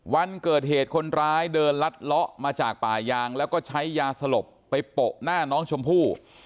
วันเกิดเหตุคนร้ายเดินลัดเลาะมาจากป่ายางแล้วก็ใช้ยาสลบไปโปะหน้าน้องชมพู่